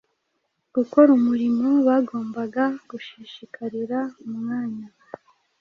gukora umurimo bagombaga gushishikarira umwanya